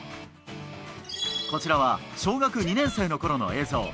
こちらは小学２年生のころの映像。